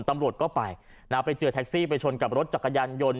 ตำรวจก็ไปนะไปเจอแท็กซี่ไปชนกับรถจักรยานยนต์